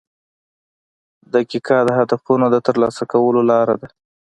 • دقیقه د هدفونو د ترلاسه کولو لار ده.